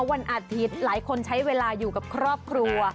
วันอาทิตย์หลายคนใช้เวลาอยู่กับครอบครัว